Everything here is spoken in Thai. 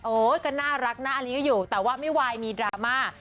ก็น่ารักนะอันนี้ก็อยู่แต่ว่าไม่ไหวมีดราม่า